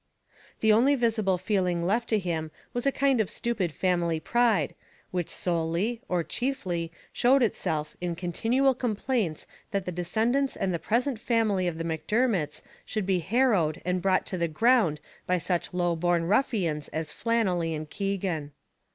The only visible feeling left to him was a kind of stupid family pride, which solely, or chiefly, showed itself in continual complaints that the descendants and the present family of the Macdermots should be harrowed and brought to the ground by such low born ruffians as Flannelly and Keegan.